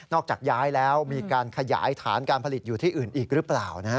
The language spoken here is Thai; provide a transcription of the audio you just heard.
จากย้ายแล้วมีการขยายฐานการผลิตอยู่ที่อื่นอีกหรือเปล่า